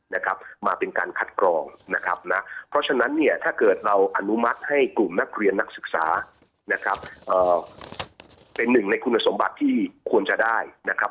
นะครับมาเป็นการคัดกรองนะครับนะเพราะฉะนั้นเนี่ยถ้าเกิดเราอนุมัติให้กลุ่มนักเรียนนักศึกษานะครับเอ่อเป็นหนึ่งในคุณสมบัติที่ควรจะได้นะครับ